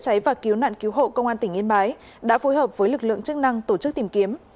lực lượng cảnh sát phòng cháy và cứu nạn cứu hộ công an tỉnh yên bái đã phối hợp với lực lượng chức năng tổ chức tìm kiếm